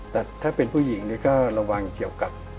แต่ถ้าเป็นผู้หญิงนี่ก็ระวังเกี่ยวกับ